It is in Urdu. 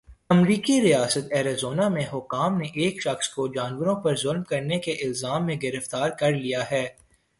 امریکی ریاست ایریزونا میں حکام نے ایک شخص کو جانوروں پر ظلم کرنے کے الزام میں گرفتار کرلیا ہے۔